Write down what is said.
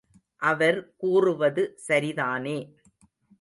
அவர் கூறுவது சரிதானே.